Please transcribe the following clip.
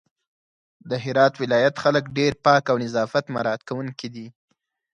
د هرات ولايت خلک ډېر پاک او نظافت مرعت کونکي دي